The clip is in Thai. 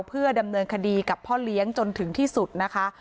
เพื่อดำเนินคดีกับพ่อเลี้ยงจนถึงที่สุดนะคะ